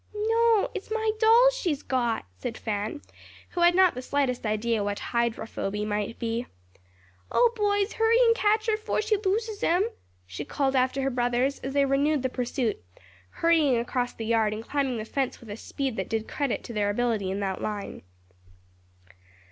"No, it's my dolls she's got," said Fan, who had not the slightest idea what "hydrophoby" might be. "O, boys, hurry and catch her 'fore she loses 'em," she called after her brothers as they renewed the pursuit, hurrying across the yard and climbing the fence with a speed that did credit to their ability in that line.